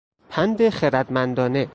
پند خردمندانه